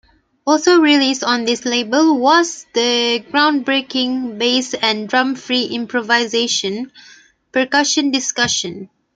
Also released on this label was the groundbreaking bass-and-drum free improvisation, "Percussion Discussion".